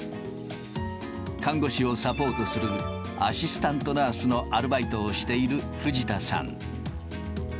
看護師をサポートするアシスタントナースのアルバイトをしている藤田さん。